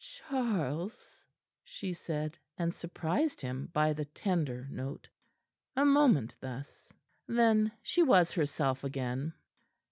"Charles!" she said, and surprised him by the tender note. A moment thus; then she was herself again.